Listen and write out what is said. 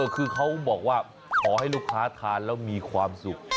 คือเขาบอกว่าขอให้ลูกค้าทานแล้วมีความสุข